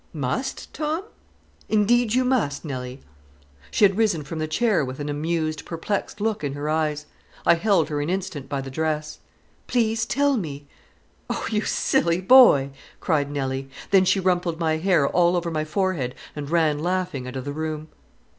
"Must, Tom?" "Indeed you must, Nelly." She had risen from the chair with an amused, perplexed look in her eyes. I held her an instant by the dress. "Please tell me." "O you silly boy!" cried Nelly. Then she rumpled my hair all over my forehead and ran laughing out of the room.